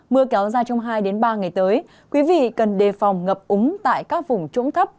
mưa kéo dài trong hai ba ngày tới quý vị cần đề phòng ngập úng tại các vùng trũng thấp